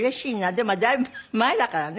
でもだいぶ前だからね。